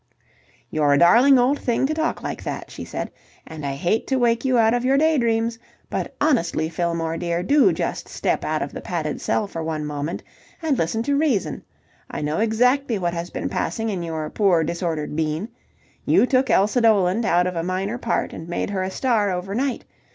"You're a darling old thing to talk like that," she said, "and I hate to wake you out of your daydreams, but, honestly, Fillmore, dear, do just step out of the padded cell for one moment and listen to reason. I know exactly what has been passing in your poor disordered bean. You took Elsa Doland out of a minor part and made her a star overnight.